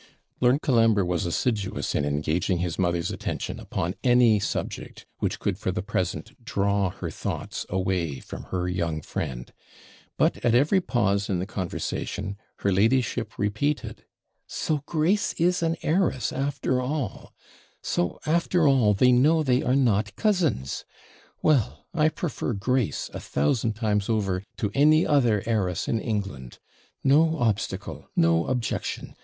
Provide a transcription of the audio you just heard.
Lord Colambre was assiduous in engaging his mother's attention upon any subject which could for the present draw her thoughts away from her young friend; but, at every pause in the conversation, her ladyship repeated, 'So Grace is an heiress, after all so, after all, they know they are not cousins! Well! I prefer Grace, a thousand times over, to any other heiress in England. No obstacle, no objection.